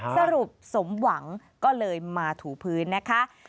สรุปสมหวังก็เลยมาถูพื้นนะคะ